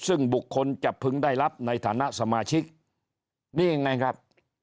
ซึ่งบุคคลจะพึงได้รับในฐานะสมาชิกนี่ยังไงครับ